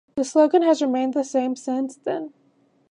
The slogan has remained the same since then.